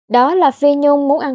đó là phi nhung muốn ăn